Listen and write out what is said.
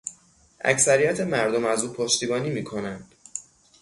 اکثریت مردم از او پشتیبانی میکنند.